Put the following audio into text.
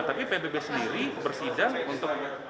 tapi pbb sendiri bersidang untuk